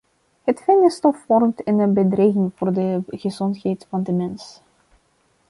Het fijne stof vormt een bedreiging voor de gezondheid van de mens.